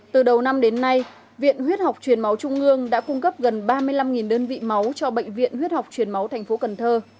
từ đầu năm đến nay viện huyết học chuyển máu trung ương đã cung cấp gần ba mươi năm đơn vị máu cho bệnh viện huyết học chuyển máu tp cn